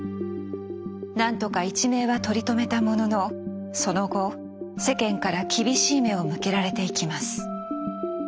何とか一命は取り留めたもののその後世間から厳しい目を向けられていきます。